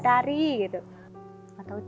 tunggu tunggu uhh bang